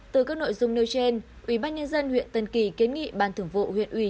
từ các nội dung nêu trên ubnd huyện tân kỳ kiến nghị ban thưởng vụ huyện uy